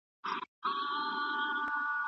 څوک د هیکرانو مخه نیسي؟